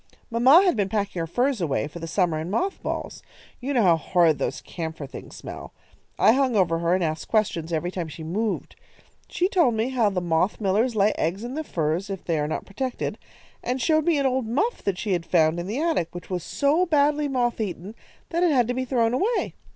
Mamma had been packing her furs away for the summer in moth balls. You know how horridly those camphor things smell. I hung over her and asked questions every time she moved. She told me how the moth millers lay eggs in the furs if they are not protected, and showed me an old muff that she had found in the attic, which was so badly moth eaten that it had to be thrown away.